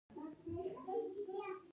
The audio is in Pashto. پښتو شعر کې نفسیاتي مسایل له پخوا شته